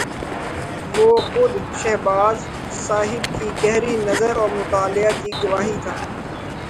وہ خود شہباز صاحب کی گہری نظر اور مطالعہ کی گواہی تھا